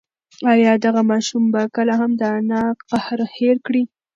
ایا دغه ماشوم به کله هم د انا قهر هېر کړي؟